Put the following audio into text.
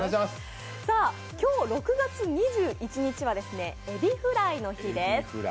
今日６月２１日はエビフライの日です。